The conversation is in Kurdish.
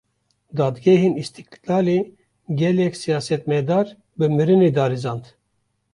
Dadgehên Îstîklalê, gelek siyasetmedar bi mirinê darizand